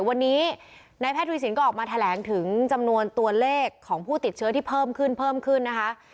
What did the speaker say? วันนี้นายแพทย์ทวีสินก็ออกมาแถลงถึงจำนวนตัวเลขของผู้ติดเชื้อที่เพิ่มขึ้นเพิ่มขึ้นนะคะ